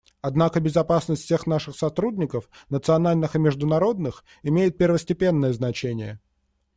Однако безопасность всех наших сотрудников, национальных и международных, имеет первостепенное значение.